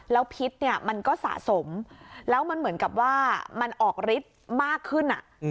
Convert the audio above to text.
แล้วพิษเนี่ยมันก็สะสมแล้วมันเหมือนกับว่ามันออกฤทธิ์มากขึ้น